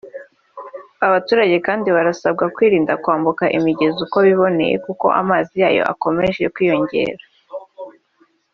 Abaturage kandi barasabwa kwirinda kwambuka imigezi uko biboneye kuko amazi yayo akomeje kwiyongera